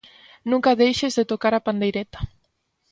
Nunca deixes de tocar a pandeireta.